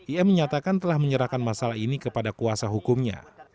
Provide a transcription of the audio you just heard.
im menyatakan telah menyerahkan masalah ini kepada kuasa hukumnya